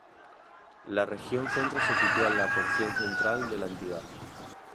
La región Centro se sitúa en la porción central de la entidad.